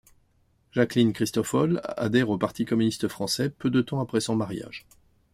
Jacqueline Cristofol adhère au Parti communiste français peu de temps après son mariage.